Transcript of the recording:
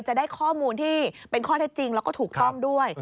จะได้ข้อมูลที่เป็นข้อเท็จจริงแล้วก็ถูกต้องด้วย